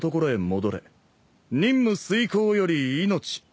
任務遂行より命。